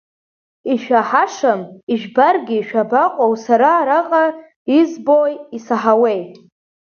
Ишәаҳашам, ижәбаргьы шәабаҟоу сара араҟа избои исаҳауеи!